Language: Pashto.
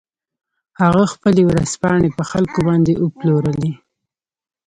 هغه خپلې ورځپاڼې په خلکو باندې وپلورلې.